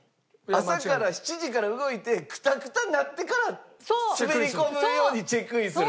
朝から７時から動いてクタクタになってから滑り込むようにチェックインする。